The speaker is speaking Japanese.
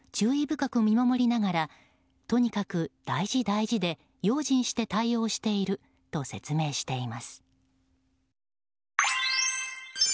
深く見守りながらとにかく大事、大事で用心して対応していると説明しています。